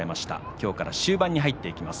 今日から終盤に入っていきます